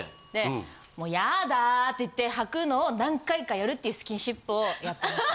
「もうヤダァ」って言ってはくのを何回かやるっていうスキンシップをやってます。